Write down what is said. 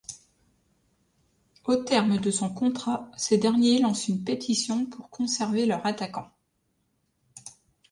Au terme de son contrat, ces derniers lancent une pétition pour conserver leur attaquant.